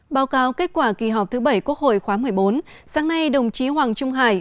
báo cáo kết quả kỳ họp thứ bảy quốc hội khóa một mươi bốn sáng nay đồng chí hoàng trung hải